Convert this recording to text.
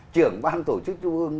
trưởng ban tổ chức trung ương